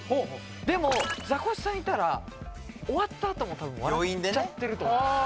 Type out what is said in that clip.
でもザコシさんいたら終わったあともたぶん笑っちゃってると思うんですよ